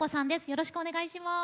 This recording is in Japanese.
よろしくお願いします。